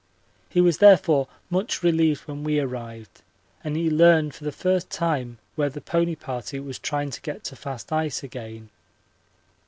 He was therefore much relieved when we arrived and he learned for the first time where the pony party was trying to get to fast ice again.